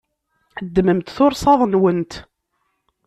Ddmemt tursaḍ-nwent.